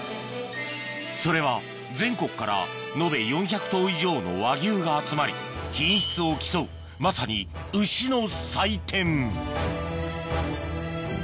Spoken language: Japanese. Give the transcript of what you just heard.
それは全国から延べ４００頭以上の和牛が集まり品質を競うまさに牛の祭典